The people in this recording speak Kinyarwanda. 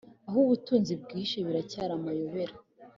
aho ubutunzi bwihishe biracyari amayobera.